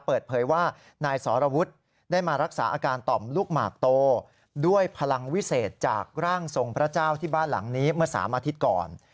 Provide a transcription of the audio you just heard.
เปิดเผยว่านายสรวุฒิได้มารักษาอาการต่อมลูกหมากโตด้วยพลังวิเศษจากร่างทรงพระเจ้าที่บ้านหลังนี้เมื่อ๓อาทิตย์ก่อน